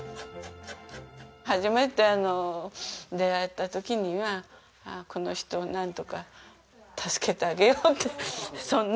初めて出会った時にはこの人をなんとか助けてあげようと。